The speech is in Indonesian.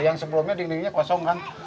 yang sebelumnya dinding dindingnya kosong kan